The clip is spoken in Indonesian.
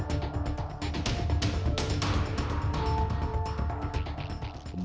dan kemudian mereka harus mengajukan tanah yang sudah ada